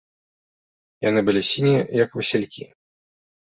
Яны былі сінія, як васількі.